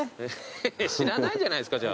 知らないんじゃないですかじゃあ。